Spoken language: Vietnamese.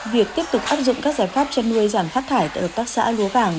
việc tiếp tục áp dụng các giải pháp chăn nuôi giảm phát thải tại hợp tác xã lúa vàng